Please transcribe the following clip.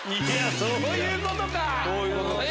そういうことか！